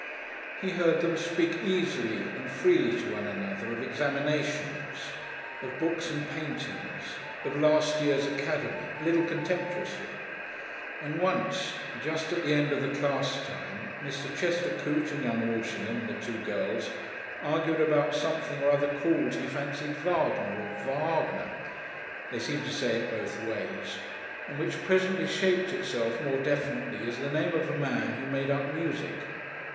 He heard them speak easily and freely to one another of examinations, of books and paintings, of "last year's Academy" a little contemptuously; and once, just at the end of the class time, Mr. Chester Coote and young Walshingham and the two girls argued about something or other called, he fancied, "Vagner" or "Vargner" they seemed to say it both ways and which presently shaped itself more definitely as the name of a man who made up music.